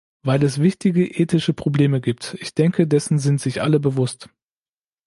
Weil es wichtige ethische Probleme gibt, ich denke, dessen sind sich alle bewusst.